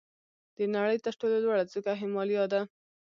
د نړۍ تر ټولو لوړه څوکه هیمالیا ده.